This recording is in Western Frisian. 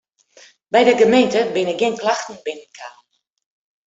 By de gemeente binne gjin klachten binnen kaam.